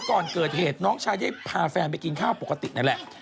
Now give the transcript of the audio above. ก่อนเกิดเหตุน้องชายได้พาแฟนไปกินข้าวปกตินั่นแหละ